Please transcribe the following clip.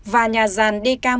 và nhà ràn dk một